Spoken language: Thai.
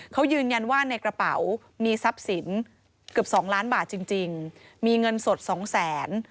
เขายืนยันว่าในกระเป๋ามีทรัพย์สินเกือบสองล้านบาทจริงมีเงินสดสองแสน